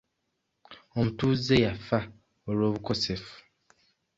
Omutuuze yafa olw'obukosefu.